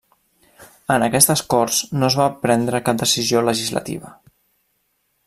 En aquestes Corts no es va prendre cap decisió legislativa.